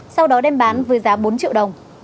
sau đó đem bán với giá bốn triệu đồng